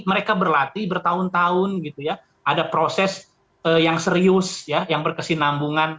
mereka berlatih bertahun tahun gitu ya ada proses yang serius ya yang berkesinambungan